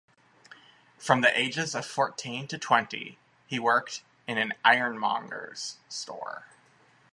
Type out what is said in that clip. From the ages of fourteen to twenty, he worked in an ironmonger's store.